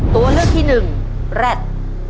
ตัวเลือกที่หนึ่งแร็ด